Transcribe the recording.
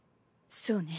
そうね。